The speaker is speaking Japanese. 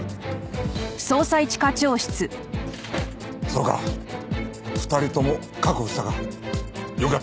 そうか２人とも確保したか。